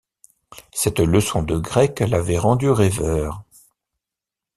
Cette leçon de grec l’avait rendu rêveur.